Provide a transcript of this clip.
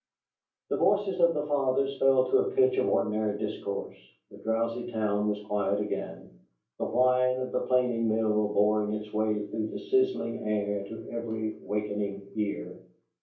The voices of the fathers fell to the pitch of ordinary discourse; the drowsy town was quiet again; the whine of the planing mill boring its way through the sizzling air to every wakening ear.